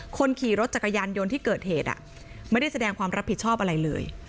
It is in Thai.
คนขี่รถจักรยานยนต์ที่เกิดเหตุไม่ได้แสดงความรับผิดชอบอะไรเลย